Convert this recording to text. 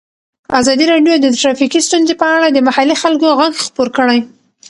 ازادي راډیو د ټرافیکي ستونزې په اړه د محلي خلکو غږ خپور کړی.